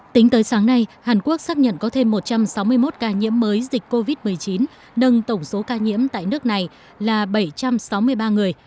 tính tới sáng nay hàn quốc xác nhận có thêm một trăm sáu mươi một ca nhiễm mới dịch covid một mươi chín nâng tổng số ca nhiễm tại nước này là bảy trăm sáu mươi ba người